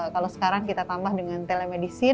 kalau sekarang kita tambah dengan telemedicine